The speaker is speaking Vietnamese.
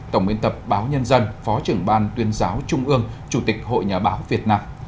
tổng biên tập báo nhân dân phó trưởng ban tuyên giáo trung ương chủ tịch hội nhà báo việt nam